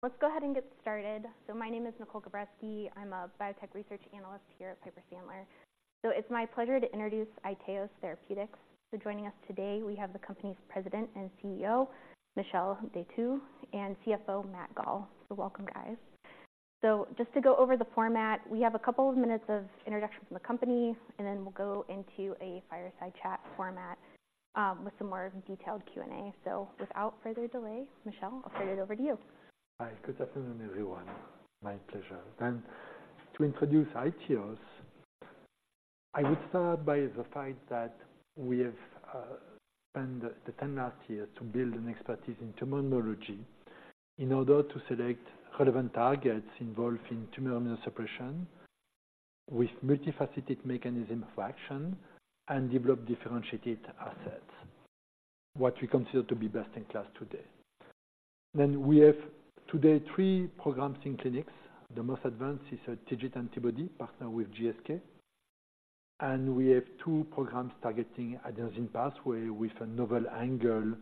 Let's go ahead and get started. My name is Nicole Gabreski. I'm a biotech research analyst here at Piper Sandler. It's my pleasure to introduce iTeos Therapeutics. Joining us today, we have the company's President and CEO, Michel Detheux, and CFO, Matt Gall. Welcome, guys. Just to go over the format, we have a couple of minutes of introduction from the company, and then we'll go into a fireside chat format, with some more detailed Q&A. Without further delay, Michel, I'll turn it over to you. Hi. Good afternoon, everyone. My pleasure. To introduce iTeos, I would start by the fact that we have spent the 10 last years to build an expertise in tumor immunology in order to select relevant targets involved in tumor immunosuppression with multifaceted mechanism of action and develop differentiated assets, what we consider to be best in class today. Then we have today 3 programs in clinics. The most advanced is a TIGIT antibody partnered with GSK, and we have two programs targeting adenosine pathway with a novel angle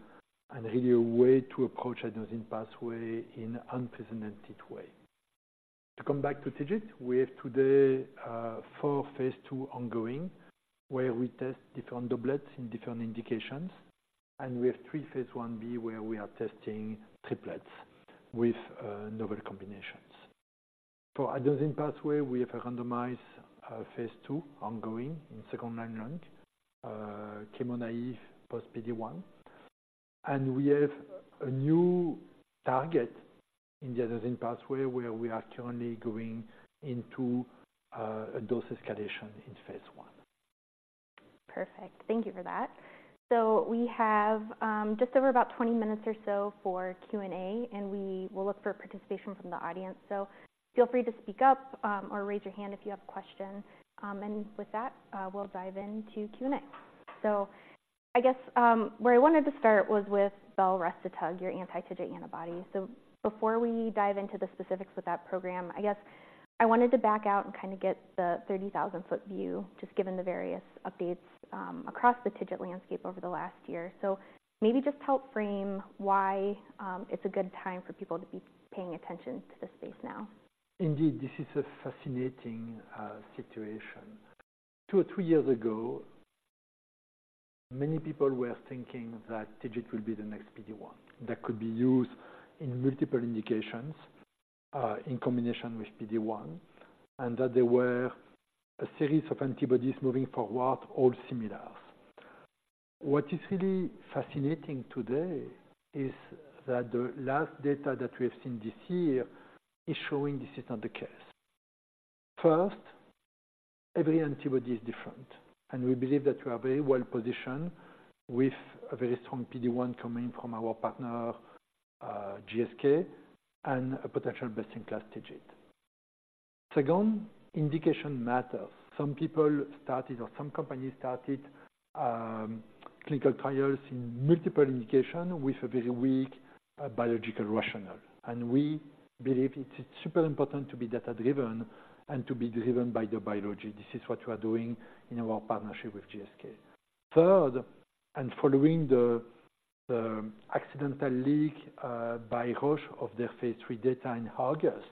and really a way to approach adenosine pathway in unprecedented way. To come back to TIGIT, we have today 4 phase two ongoing, where we test different doublets in different indications, and we have 3 phase one B, where we are testing triplets with novel combinations. For adenosine pathway, we have a randomized, phase 2 ongoing in second-line lung, chemo-naive post PD-1, and we have a new target in the adenosine pathway, where we are currently going into a dose escalation in phase 1. Perfect. Thank you for that. So we have just over about 20 minutes or so for Q&A, and we will look for participation from the audience. So feel free to speak up or raise your hand if you have questions. And with that, we'll dive into Q&A. So I guess where I wanted to start was with belrestotug, your anti-TIGIT antibody. So before we dive into the specifics with that program, I guess I wanted to back out and kind of get the 30,000-foot view, just given the various updates across the TIGIT landscape over the last year. So maybe just help frame why it's a good time for people to be paying attention to this space now. Indeed, this is a fascinating situation. Two or three years ago, many people were thinking that TIGIT will be the next PD-1, that could be used in multiple indications in combination with PD-1, and that there were a series of antibodies moving forward, all similar. What is really fascinating today is that the last data that we have seen this year is showing this is not the case. First, every antibody is different, and we believe that we are very well positioned with a very strong PD-1 coming from our partner GSK, and a potential best-in-class TIGIT. Second, indication matters. Some people started, or some companies started, clinical trials in multiple indication with a very weak biological rationale, and we believe it's super important to be data driven and to be driven by the biology. This is what we are doing in our partnership with GSK. Third, and following the accidental leak by Roche of their phase 3 data in August,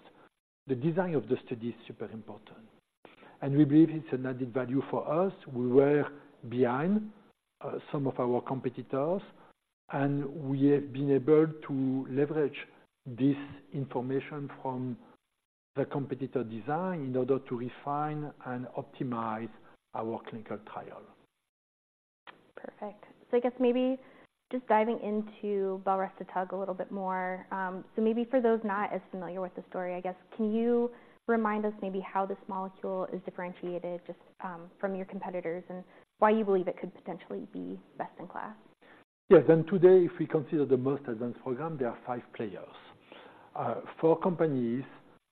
the design of the study is super important, and we believe it's an added value for us. We were behind some of our competitors, and we have been able to leverage this information from the competitor design in order to refine and optimize our clinical trial. Perfect. So I guess maybe just diving into belrestotug a little bit more. So maybe for those not as familiar with the story, I guess, can you remind us maybe how this molecule is differentiated, just, from your competitors and why you believe it could potentially be best in class? Yes. And today, if we consider the most advanced program, there are five players. Four companies,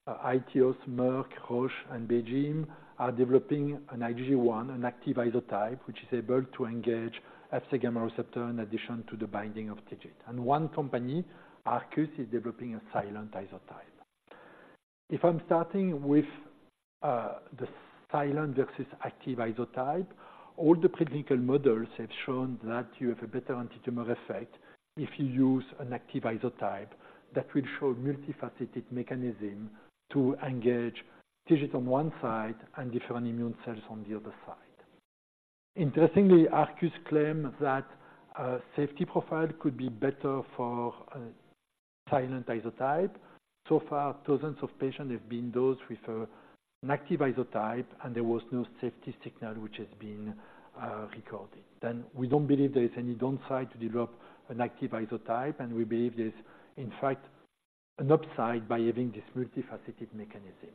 iTeos, Merck, Roche, and BeiGene, are developing an IgG1, an active isotype, which is able to engage Fc gamma receptor in addition to the binding of TIGIT. And one company, Arcus, is developing a silent isotype. If I'm starting with the silent versus active isotype, all the preclinical models have shown that you have a better antitumor effect if you use an active isotype that will show multifaceted mechanism to engage TIGIT on one side and different immune cells on the other side. Interestingly, Arcus claim that a safety profile could be better for a silent isotype. So far, thousands of patients have been dosed with an active isotype, and there was no safety signal which has been recorded. Then we don't believe there is any downside to develop an active isotype, and we believe there's, in fact, an upside by having this multifaceted mechanism.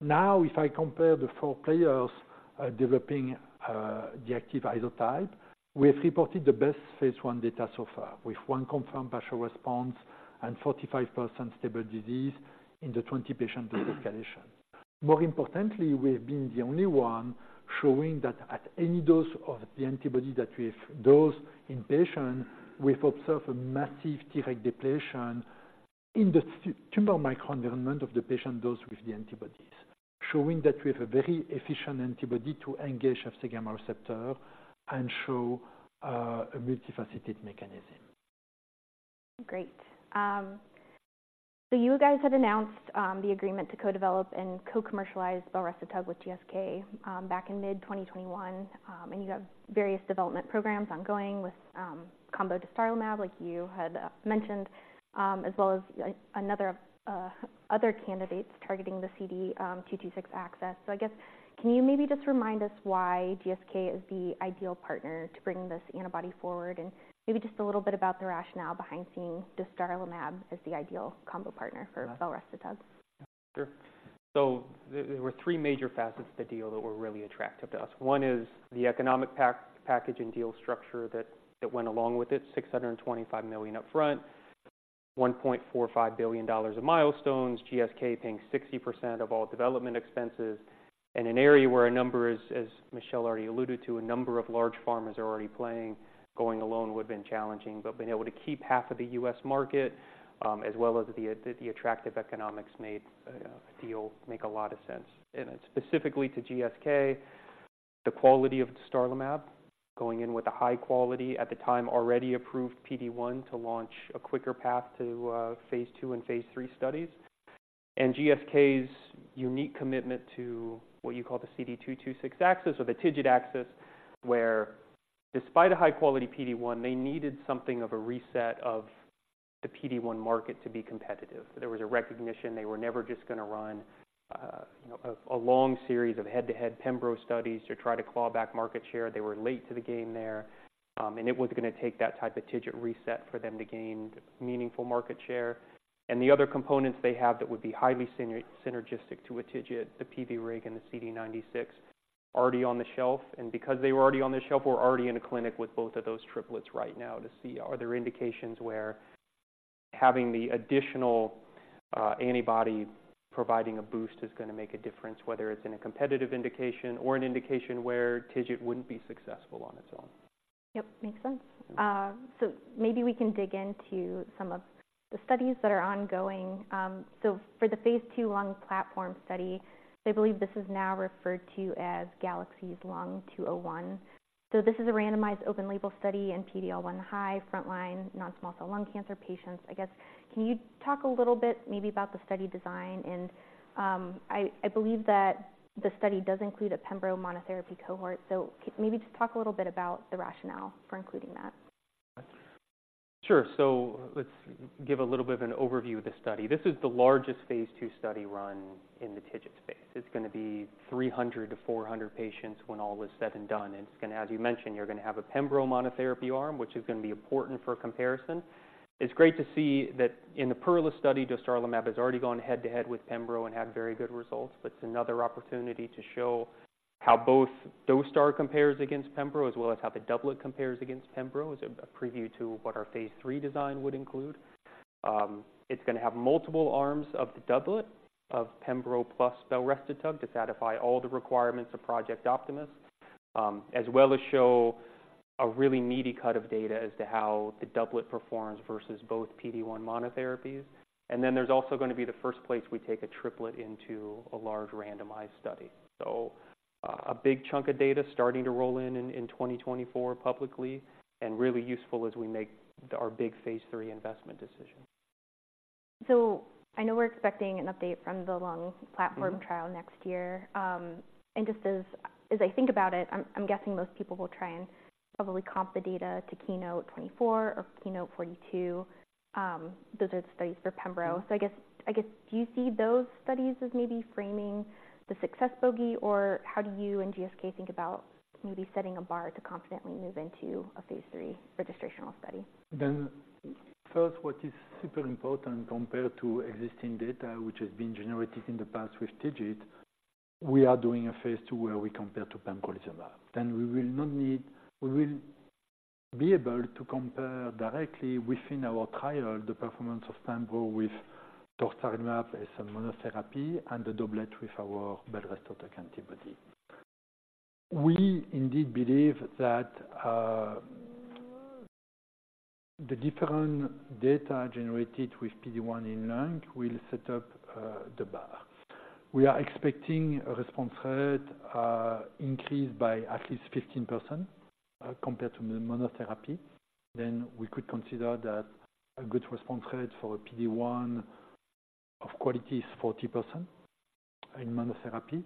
Now, if I compare the four players developing the active isotype, we have reported the best phase 1 data so far, with one confirmed partial response and 45% stable disease in the 20-patient dose escalation. More importantly, we have been the only one showing that at any dose of the antibody that we have dosed in patients, we've observed a massive Treg depletion in the tumor microenvironment of the patient dosed with the antibodies, showing that we have a very efficient antibody to engage Fc gamma receptor and show a multifaceted mechanism. Great. So you guys had announced the agreement to co-develop and co-commercialize belrestotug with GSK back in mid-2021. And you have various development programs ongoing with combo dostarlimab, like you had mentioned, as well as other candidates targeting the CD226 axis. So I guess, can you maybe just remind us why GSK is the ideal partner to bring this antibody forward? And maybe just a little bit about the rationale behind seeing dostarlimab as the ideal combo partner for belrestotug. Sure. So there were three major facets to the deal that were really attractive to us. One is the economic packaging deal structure that went along with it, $625 million upfront, $1.45 billion of milestones, GSK paying 60% of all development expenses. In an area where, as Michel already alluded to, a number of large pharmas are already playing, going alone would have been challenging. But being able to keep half of the U.S. market, as well as the attractive economics made the deal make a lot of sense in it. Specifically to GSK, the quality of dostarlimab, going in with a high quality at the time, already approved PD-1 to launch a quicker path to phase 2 and phase 3 studies. GSK's unique commitment to what you call the CD226 axis the TIGIT axis, where despite a high quality PD-1, they needed something of a reset of the PD-1 market to be competitive. There was a recognition they were never just gonna run, you know, a long series of head-to-head pembro studies to try to claw back market share. They were late to the game there, and it was gonna take that type of TIGIT reset for them to gain meaningful market share. The other components they have that would be highly synergistic to a TIGIT, the PD-1 and the CD96, already on the shelf. Because they were already on the shelf, we're already in a clinic with both of those triplets right now to see, are there indications where having the additional antibody providing a boost is gonna make a difference, whether it's in a competitive indication or an indication where TIGIT wouldn't be successful on its own. Yep, makes sense. So maybe we can dig into some of the studies that are ongoing. So for the phase 2 lung platform study, I believe this is now referred to as GALAXIES Lung-201. So this is a randomized open label study, and PD-L1 high frontline non-small cell lung cancer patients. I guess, can you talk a little bit maybe about the study design? And, I believe that the study does include a pembro monotherapy cohort. So maybe just talk a little bit about the rationale for including that. Sure. So let's give a little bit of an overview of the study. This is the largest phase 2 study run in the TIGIT space. It's gonna be 300-400 patients when all is said and done, and it's gonna... As you mentioned, you're gonna have a pembro monotherapy arm, which is gonna be important for comparison. It's great to see that in the PERLA study, dostarlimab has already gone head-to-head with pembro and had very good results. But it's another opportunity to show how both dostar compares against pembro, as well as how the doublet compares against pembro, is a preview to what our phase 3 design would include. It's gonna have multiple arms of the doublet, of pembro plus belrestotug, to satisfy all the requirements of Project Optimus. As well as show a really neat cut of data as to how the doublet performs versus both PD-1 monotherapies. And then there's also gonna be the first place we take a triplet into a large randomized study. So, a big chunk of data starting to roll in in 2024 publicly, and really useful as we make our big phase 3 investment decision. I know we're expecting an update from the lung platform- Mm-hmm. - trial next year. And just as I think about it, I'm guessing most people will try and probably comp the data to KEYNOTE-24 or KEYNOTE-42. Those are the studies for pembro. Mm-hmm. So I guess, do you see those studies as maybe framing the success bogey, or how do you and GSK think about maybe setting a bar to confidently move into a phase 3 registrational study? First, what is super important compared to existing data, which has been generated in the past with TIGIT, we are doing a phase 2 where we compare to pembrolizumab, and we will be able to compare directly within our trial the performance of pembro with dostarlimab as a monotherapy and the doublet with our belrestotug antibody. We indeed believe that, the different data generated with PD-1 in lung will set up, the bar. We are expecting a response rate, increased by at least 15%, compared to the monotherapy. Then we could consider that a good response rate for a PD-1 of quality is 40% in monotherapy.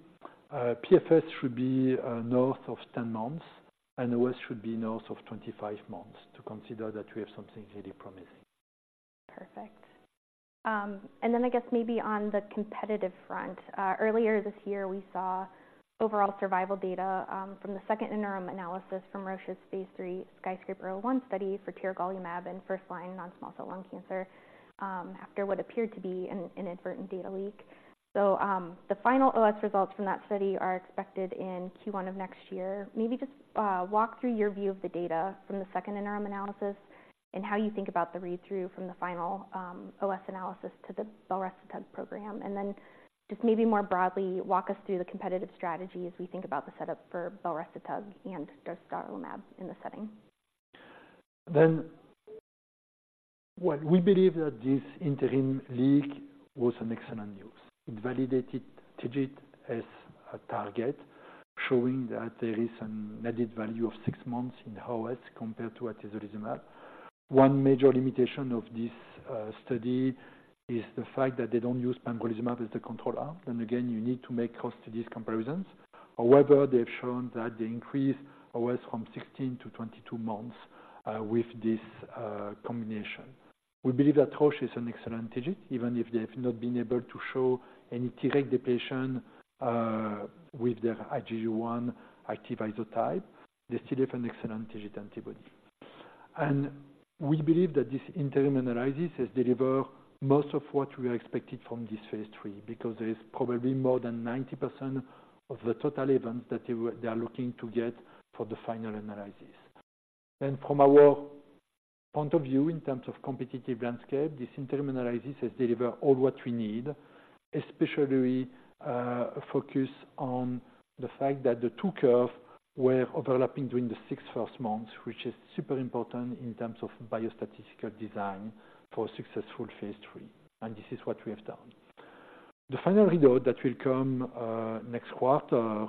PFS should be, north of 10 months, and OS should be north of 25 months to consider that we have something really promising. Perfect. And then I guess maybe on the competitive front, earlier this year, we saw overall survival data from the second interim analysis from Roche's Phase III SKYSCRAPER-01 study for tiragolumab in first-line non-small cell lung cancer, after what appeared to be an inadvertent data leak. So, the final OS results from that study are expected in Q1 of next year. Maybe just, walk through your view of the data from the second interim analysis and how you think about the read-through from the final, OS analysis to the belrestotug program. And then just maybe more broadly, walk us through the competitive strategy as we think about the setup for belrestotug and dostarlimab in this setting.... Well, we believe that this interim look was excellent news. It validated TIGIT as a target, showing that there is an added value of 6 months in OS compared to atezolizumab. One major limitation of this study is the fact that they don't use pembrolizumab as the control arm. Again, you need to make note of these comparisons. However, they've shown that they increase OS from 16 to 22 months with this combination. We believe that Roche has an excellent TIGIT, even if they've not been able to show any Treg depletion with their IgG1 active isotype. They still have an excellent TIGIT antibody. We believe that this interim analysis has delivered most of what we expected from this phase 3, because there is probably more than 90% of the total events that they are looking to get for the final analysis. From our point of view, in terms of competitive landscape, this interim analysis has delivered all what we need, especially, focus on the fact that the two curves were overlapping during the first 6 months, which is super important in terms of biostatistical design for a successful phase 3, and this is what we have done. The final result that will come next quarter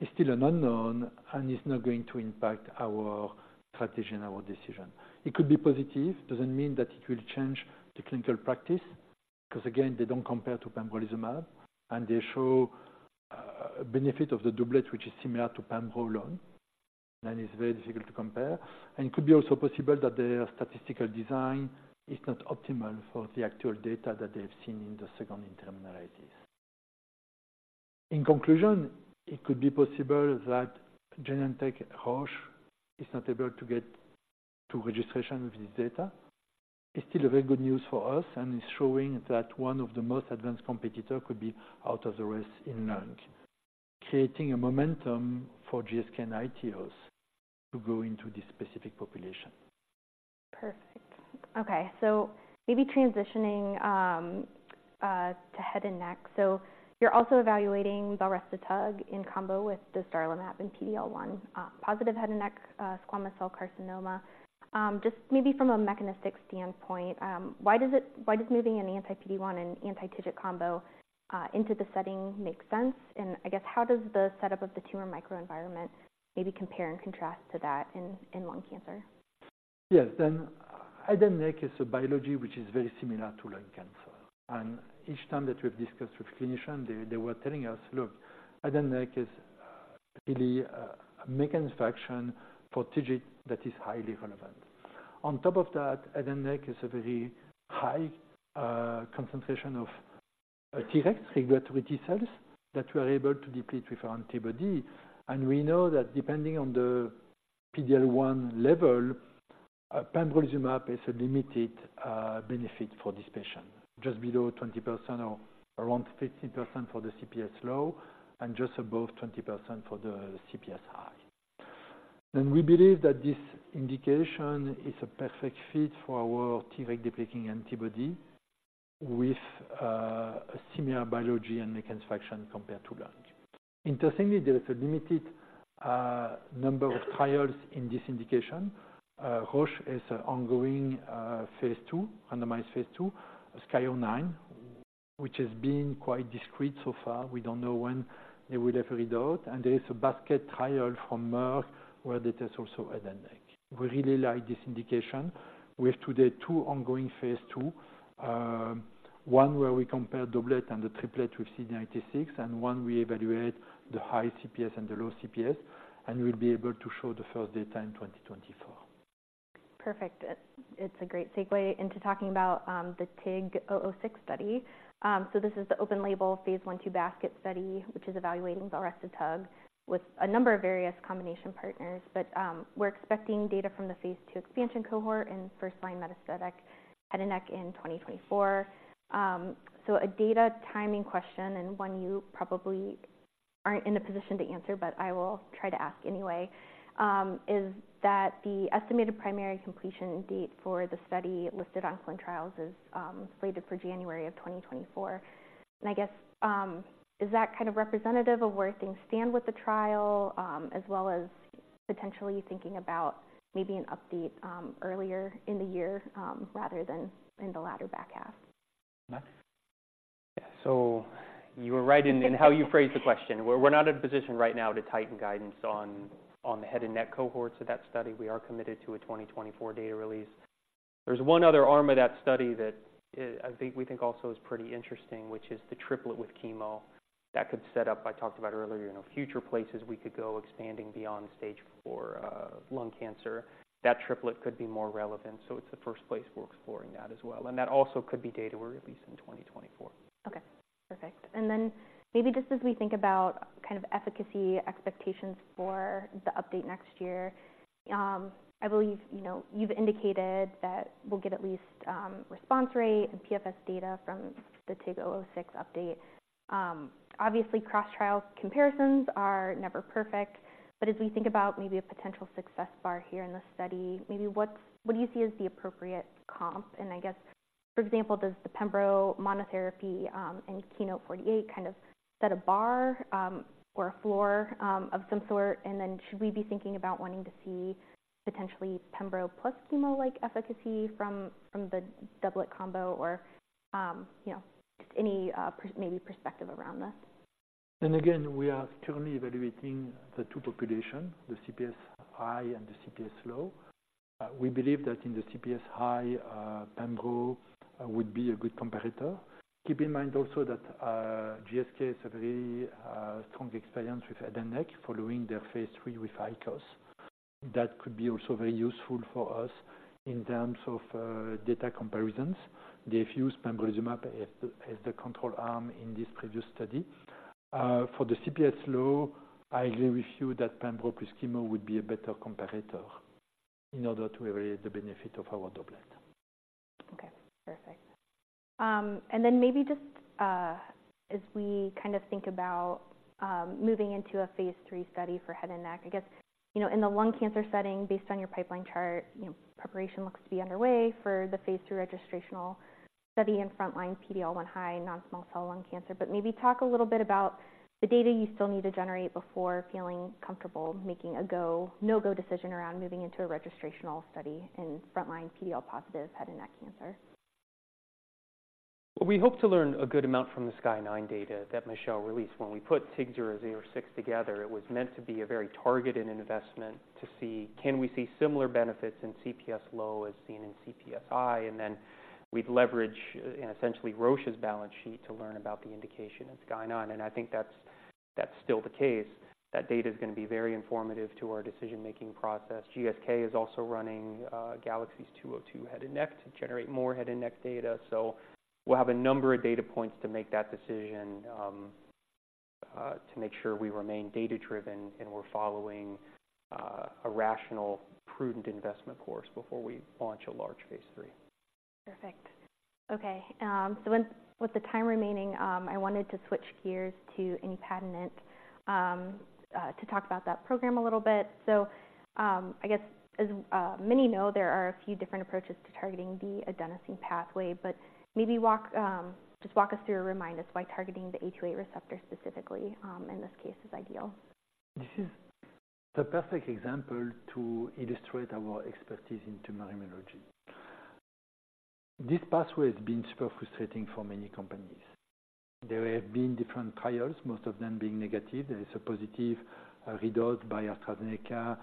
is still an unknown and is not going to impact our strategy and our decision. It could be positive. doesn't mean that it will change the clinical practice, because again, they don't compare to pembrolizumab, and they show benefit of the doublet, which is similar to pembro alone, and it's very difficult to compare. And it could be also possible that their statistical design is not optimal for the actual data that they've seen in the second interim analysis. In conclusion, it could be possible that Genentech Roche is not able to get to registration with this data. It's still a very good news for us, and it's showing that one of the most advanced competitor could be out of the race in lung, creating a momentum for GSK and iTeos to go into this specific population. Perfect. Okay, so maybe transitioning to head and neck. So you're also evaluating belrestotug in combo with dostarlimab in PD-L1 positive head and neck squamous cell carcinoma. Just maybe from a mechanistic standpoint, why does moving an anti-PD-1 and anti-TIGIT combo into the setting make sense? And I guess, how does the setup of the tumor microenvironment maybe compare and contrast to that in lung cancer? Yes. Then head and neck is a biology which is very similar to lung cancer, and each time that we've discussed with clinician, they were telling us: Look, head and neck is really a mechanism of action for TIGIT that is highly relevant. On top of that, head and neck is a very high concentration of Treg regulatory T cells that we are able to deplete with our antibody. And we know that depending on the PD-L1 level, pembrolizumab is a limited benefit for this patient, just below 20% or around 15% for the CPS low and just above 20% for the CPS high. And we believe that this indication is a perfect fit for our Treg depleting antibody with a similar biology and mechanism action compared to lung. Interestingly, there is a limited number of trials in this indication. Roche has an ongoing phase 2, randomized phase 2, SKYSCRAPER-O9, which has been quite discreet so far. We don't know when they will have read out, and there is a basket trial from Merck where they test also head and neck. We really like this indication. We have today two ongoing phase 2, one where we compare doublet and the triplet with CD96, and one we evaluate the high CPS and the low CPS, and we'll be able to show the first data in 2024. Perfect. It's a great segue into talking about the TIG-006 study. So this is the open-label phase 1/2 basket study, which is evaluating belrestotug with a number of various combination partners. But we're expecting data from the phase 2 expansion cohort in first-line metastatic head and neck in 2024. So a data timing question, and one you probably aren't in a position to answer, but I will try to ask anyway, is that the estimated primary completion date for the study listed on clinical trials slated for January 2024? And I guess, is that kind of representative of where things stand with the trial, as well as potentially thinking about maybe an update earlier in the year, rather than in the latter back half? Yeah. So you were right in how you phrased the question. We're not in a position right now to tighten guidance on the head and neck cohorts of that study. We are committed to a 2024 data release. There's one other arm of that study that I think we think also is pretty interesting, which is the triplet with chemo. That could set up, I talked about earlier, you know, future places we could go expanding beyond stage four lung cancer. That triplet could be more relevant, so it's the first place we're exploring that as well. And that also could be data we release in 2024. Okay, perfect. And then maybe just as we think about kind of efficacy expectations for the update next year, I believe, you know, you've indicated that we'll get at least response rate and PFS data from the TIG-006 update. Obviously, cross-trial comparisons are never perfect, but as we think about maybe a potential success bar here in this study, maybe what do you see as the appropriate comp? And I guess, for example, does the pembro monotherapy in KEYNOTE-48 kind of set a bar or a floor of some sort? And then should we be thinking about wanting to see potentially pembro plus chemo-like efficacy from the doublet combo? Or you know, just any perspective around this. And again, we are currently evaluating the two population, the CPS high and the CPS low. We believe that in the CPS high, pembro would be a good comparator. Keep in mind also that, GSK has a very strong experience with head and neck, following their phase three with ICOS. That could be also very useful for us in terms of data comparisons. They've used pembrolizumab as the control arm in this previous study. For the CPS low, I agree with you that pembro plus chemo would be a better comparator in order to evaluate the benefit of our doublet. Okay, perfect. And then maybe just, as we kind of think about moving into a phase 3 study for head and neck, I guess, you know, in the lung cancer setting, based on your pipeline chart, you know, preparation looks to be underway for the phase 2 registrational study in frontline PD-L1 high non-small cell lung cancer. But maybe talk a little bit about the data you still need to generate before feeling comfortable making a go, no-go decision around moving into a registrational study in frontline PD-L1-positive head and neck cancer. Well, we hope to learn a good amount from the SKYSCRAPER-01 data that Michel released. When we put TIG-006 together, it was meant to be a very targeted investment to see can we see similar benefits in CPS low as seen in CPS high, and then we'd leverage essentially Roche's balance sheet to learn about the indication in SKYSCRAPER-01. I think that's, that's still the case. That data is going to be very informative to our decision-making process. GSK is also running GALAXIES-202 head and neck to generate more head and neck data. So we'll have a number of data points to make that decision to make sure we remain data-driven and we're following a rational, prudent investment course before we launch a large phase 3. Perfect. Okay, so with the time remaining, I wanted to switch gears to inupadenant, to talk about that program a little bit. So, I guess as many know, there are a few different approaches to targeting the adenosine pathway, but maybe just walk us through or remind us why targeting the A2A receptor specifically, in this case is ideal. This is the perfect example to illustrate our expertise in tumor immunology. This pathway has been super frustrating for many companies. There have been different trials, most of them being negative. There is a positive read out by AstraZeneca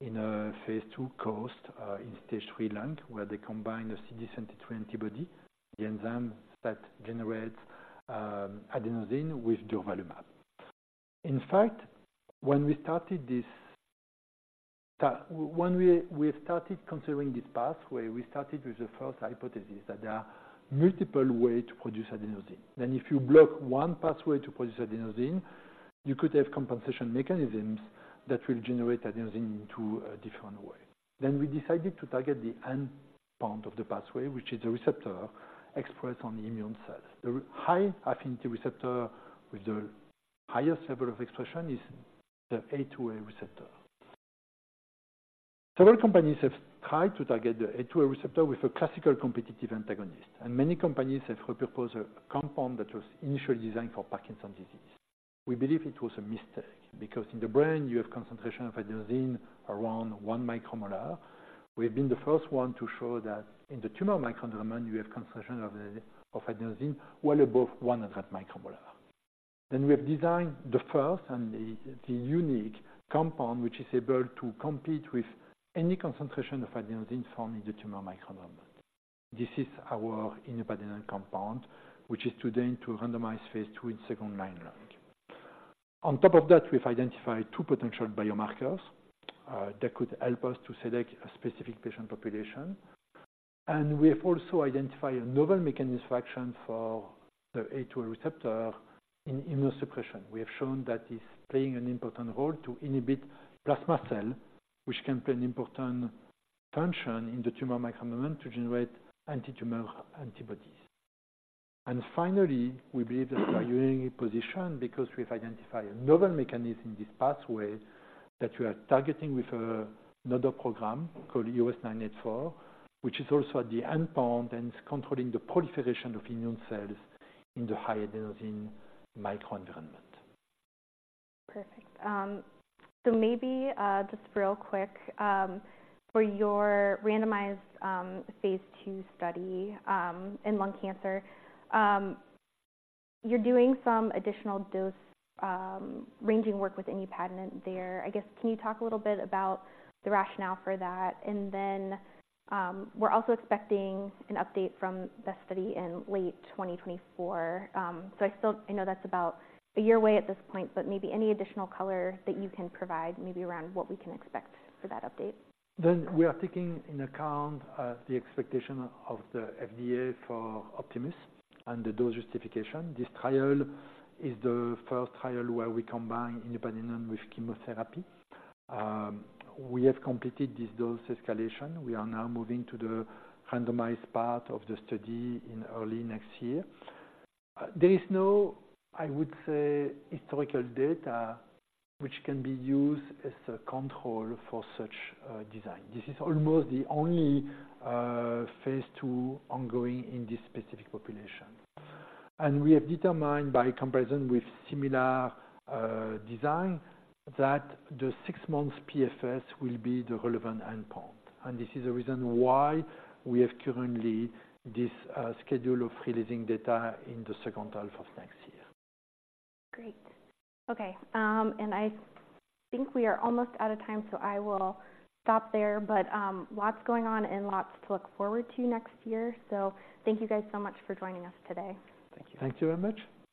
in a phase 2 COAST, in stage 3 lung, where they combine a CD73 antibody, the enzyme that generates adenosine with durvalumab. In fact, when we started this, when we started considering this pathway, we started with the first hypothesis that there are multiple way to produce adenosine. Then if you block one pathway to produce adenosine, you could have compensation mechanisms that will generate adenosine into a different way. Then we decided to target the end point of the pathway, which is the receptor expressed on the immune cell. The high affinity receptor with the highest level of expression is the A2A receptor. Several companies have tried to target the A2A receptor with a classical competitive antagonist, and many companies have repurposed a compound that was initially designed for Parkinson's disease. We believe it was a mistake, because in the brain you have concentration of adenosine around 1 micromolar. We've been the first one to show that in the tumor microenvironment, you have concentration of adenosine well above 100 micromolar. Then we have designed the first and the unique compound, which is able to compete with any concentration of adenosine found in the tumor microenvironment. This is our inupadenant compound, which is today into a randomized phase 2 in second-line lung. On top of that, we've identified 2 potential biomarkers that could help us to select a specific patient population. And we have also identified a novel mechanism of action for the A2A receptor in immunosuppression. We have shown that it's playing an important role to inhibit plasma cell, which can play an important function in the tumor microenvironment to generate antitumor antibodies. And finally, we believe that we are in a unique position because we have identified a novel mechanism in this pathway that we are targeting with another program called EOS-984, which is also at the endpoint and it's controlling the proliferation of immune cells in the high adenosine microenvironment. Perfect. So maybe, just real quick, for your randomized, phase 2 study, in lung cancer, you're doing some additional dose, ranging work with inupadenant there. I guess, can you talk a little bit about the rationale for that? And then, we're also expecting an update from the study in late 2024. So I still... I know that's about a year away at this point, but maybe any additional color that you can provide maybe around what we can expect for that update. Then we are taking into account, the expectation of the FDA for Project Optimus and the dose justification. This trial is the first trial where we combine inupadenant with chemotherapy. We have completed this dose escalation. We are now moving to the randomized part of the study in early next year. There is no, I would say, historical data which can be used as a control for such a design. This is almost the only, phase two ongoing in this specific population. And we have determined by comparison with similar, design, that the six months PFS will be the relevant endpoint. And this is the reason why we have currently this, schedule of releasing data in the second half of next year. Great. Okay, I think we are almost out of time, so I will stop there. But lots going on and lots to look forward to next year. So thank you guys so much for joining us today. Thank you. Thank you very much.